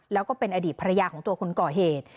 แล้วก็เป็นอดีตภรรยาของตัวคนก่อเหตุ